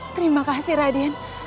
terima kasih raden